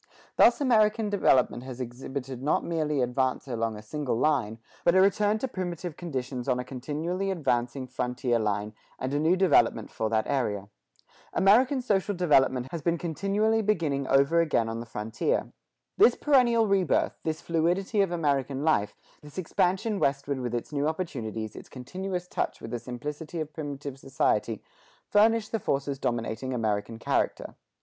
Thus American development has exhibited not merely advance along a single line, but a return to primitive conditions on a continually advancing frontier line, and a new development for that area. American social development has been continually beginning over again on the frontier. This perennial rebirth, this fluidity of American life, this expansion westward with its new opportunities, its continuous touch with the simplicity of primitive society, furnish the forces dominating American character.